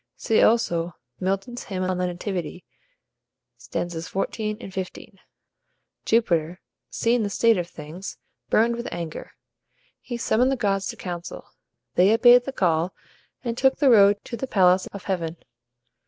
See, also, Milton's "Hymn on the Nativity," stanzas xiv. and xv.] Jupiter, seeing this state of things, burned with anger. He summoned the gods to council. They obeyed the call, and took the road to the palace of heaven.